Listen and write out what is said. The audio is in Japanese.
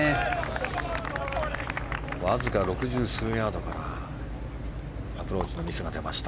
わずか６０数ヤードからアプローチのミスが出ました。